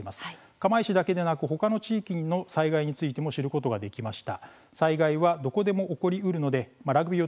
釜石だけでなく他の地域の災害について知ることができました。